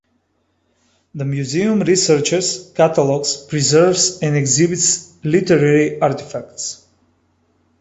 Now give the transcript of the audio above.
The museum researches, catalogs, preserves, and exhibits literary artifacts.